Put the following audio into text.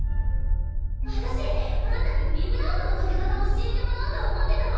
私あんたにビブラートのかけ方教えてもらおうと思ってたの！